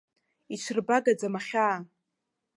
Иҽырбагаӡам ахьаа!